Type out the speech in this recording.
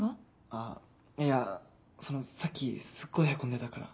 あっいやそのさっきすっごいヘコんでたから。